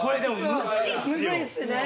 むずいっすね。